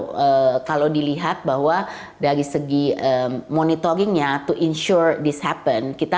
nah ini memang kalau dilihat bahwa dari segi monitoring nya to ensure this happen